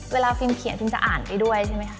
ฟิล์เขียนฟิล์จะอ่านไปด้วยใช่ไหมคะ